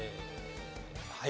はい。